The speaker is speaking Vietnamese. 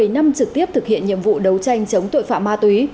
bảy năm trực tiếp thực hiện nhiệm vụ đấu tranh chống tội phạm ma túy